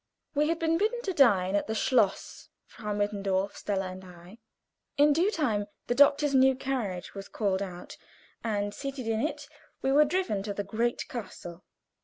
We had been bidden to dine at the schloss Frau Mittendorf, Stella, and I. In due time the doctor's new carriage was called out, and seated in it we were driven to the great castle.